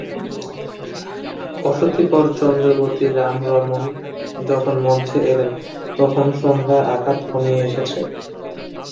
অশীতিপর চন্দ্রাবতী রায় বর্মণ যখন মঞ্চে এলেন, তখন সন্ধ্যার আঁধার ঘনিয়ে এসেছে।